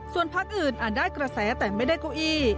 ส่วนพักอื่นอาจได้กระแสแต่ไม่ได้เก้าอี้